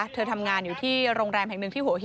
เธอทำงานอยู่ที่โรงแรมแห่งหนึ่งที่หัวหิน